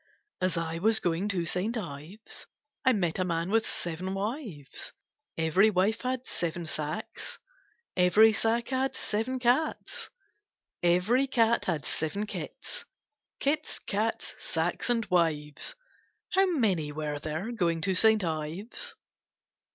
* As I was going to St. Ives, I met a man with seven wives Every wife had seven sacks, Every sack had seven cats. Every cat had seven kits : Kits, cats, sacks, and wives. How many were there going to St. Ives?'